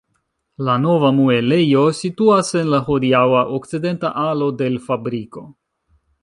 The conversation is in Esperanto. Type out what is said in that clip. La nova muelejo situas en la hodiaŭa okcidenta alo de l' fabriko.